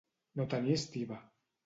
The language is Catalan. No tenir estiba.